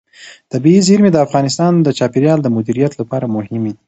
طبیعي زیرمې د افغانستان د چاپیریال د مدیریت لپاره مهم دي.